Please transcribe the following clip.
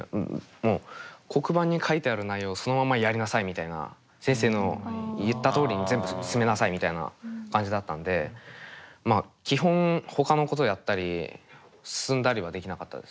もう黒板に書いてある内容をそのままやりなさいみたいな先生の言ったとおりに全部進めなさいみたいな感じだったんでまあ基本ほかのことやったり進んだりはできなかったです。